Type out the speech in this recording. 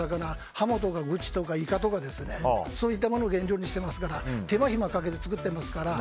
ハモとかグチとかイカとかそういったものを原料にしてますから手間暇かけて作ってますから。